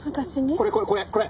これこれこれこれ。